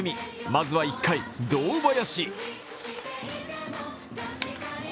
まずは１回、堂林。